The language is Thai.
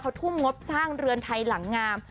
เขาทุ่มงบสร้างเรือนไทยหลังงาม